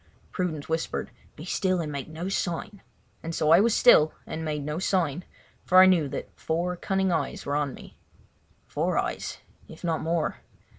Prudence whispered: "Be still and make no sign," and so I was still and made no sign, for I knew that four cunning eyes were on me. "Four eyes—if not more."